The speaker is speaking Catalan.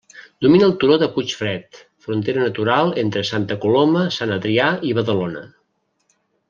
Domina el turó del Puigfred, frontera natural entre Santa Coloma, Sant Adrià i Badalona.